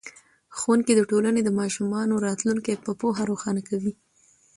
ښوونکی د ټولنې د ماشومانو راتلونکی په پوهه روښانه کوي.